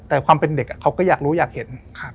แต่ความเป็นเด็กเขาก็อยากรู้อยากเห็น